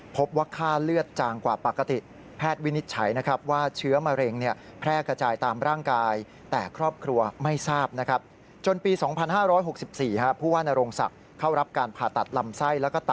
พบวัคค่าเลือดจางกว่าปกติ